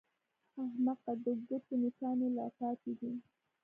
احمقه! د ګوتو نوکان يې لا پاتې دي!